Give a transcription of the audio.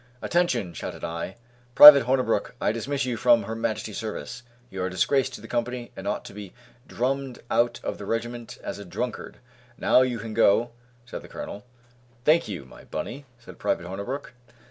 "Attention!" shouted I. "Private Hornabrook, I dismiss you from Her Majesty's service. You are a disgrace to the company, and ought to be drummed out of the regiment as a drunkard." "Now, you can go," said the colonel. "Thank you, my bunny," said Private Hornabrook.